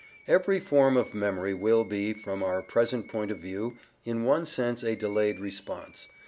Every form of memory will be, from our present point of view, in one sense a delayed response.